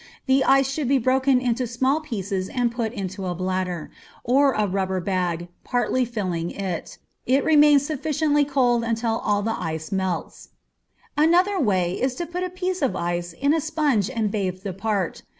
The ice should be broken into small pieces and put into a bladder, or rubber bag, partly filling it. It remains sufficiently cold until all the ice is melted. Another way is to put a piece of ice in a sponge and bathe the part.